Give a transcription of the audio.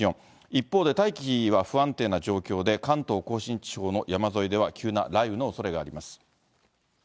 一方で、大気は不安定な状況で、関東甲信地方の山沿いでは急な雷雨のおそれがあります。